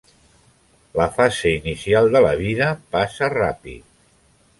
La fase inicial de la vida passa ràpid.